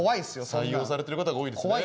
採用されてる方が多いですね。